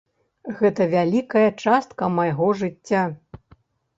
Гэта вялікая частка майго жыцця.